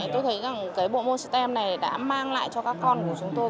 tôi thấy rằng cái bộ môn stem này đã mang lại cho các con của chúng tôi